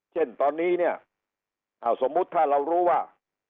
เช่นตอนนี้เนี่ยสมมุติถ้าเรารู้ว่า